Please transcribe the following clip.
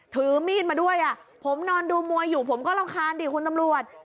ถือมีดมาด้วยผมนอนดูมวยอยู่ผมก็รำคาญดิคุณตำรวจ